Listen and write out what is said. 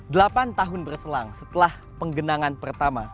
delapan tahun berselang setelah penggenangan pertama